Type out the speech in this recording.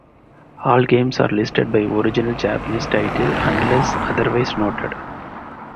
All games are listed by original Japanese titles unless otherwise noted.